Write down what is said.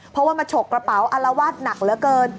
เพราะว่ามาฉกกระเป๋าอารวาสหนักเหลือเกิน